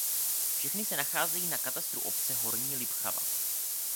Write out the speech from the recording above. Všechny se nacházejí na katastru obce Horní Libchava.